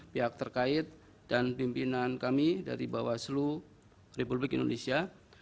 pihak terkait dan pimpinan kami dari bawaslu republik indonesia